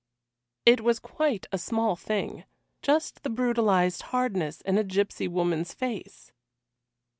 It was quite a small thing just the brutalised hardness in a gipsy woman's face!